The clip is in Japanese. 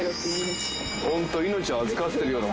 ホント命を預かってるような。